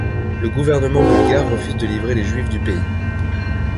Le gouvernement bulgare refuse de livrer les Juifs du pays.